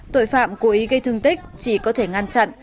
tội phạm cố ý gây thương tích chỉ có thể ngăn chặn